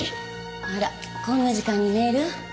あらこんな時間にメール？